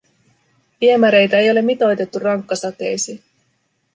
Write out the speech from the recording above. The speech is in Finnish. Viemäreitä ei ole mitoitettu rankkasateisiin.